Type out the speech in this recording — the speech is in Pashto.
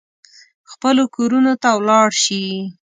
خپلو کورونو ته ولاړ شي.